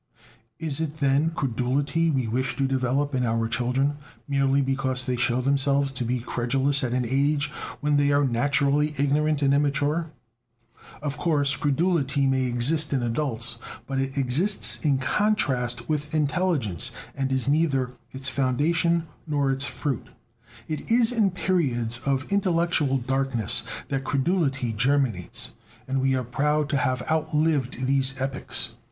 Is it, then, credulity we wish to develop in our children, merely because they show themselves to be credulous at an age when they are naturally ignorant and immature? Of course, credulity may exist in adults; but it exists in contrast with intelligence, and is neither its foundation nor its fruit. It is in periods of intellectual darkness that credulity germinates; and we are proud to have outlived these epochs.